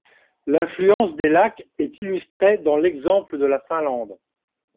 L’influence des lacs est illustrée dans l’exemple de la Finlande.